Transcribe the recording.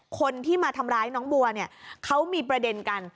คนที่มาทำร้ายน้องบัวเนี่ยเขามีประเด็นกัน